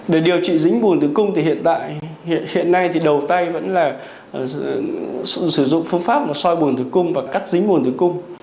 để điều trị dính vùng tử cung thì hiện nay thì đầu tay vẫn là sử dụng phương pháp soi vùng tử cung và cắt dính vùng tử cung